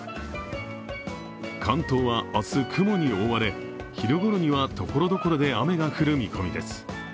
関東は明日、雲に覆われ昼ごろにはところどころで雨が降る見込みです。